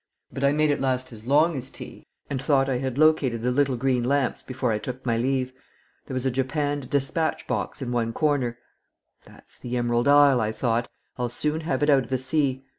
"But I made it last as long as tea, and thought I had located the little green lamps before I took my leave. There was a japanned despatch box in one corner. 'That's the Emerald Isle,' I thought, 'I'll soon have it out of the sea.